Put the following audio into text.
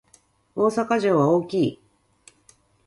大阪城は大きい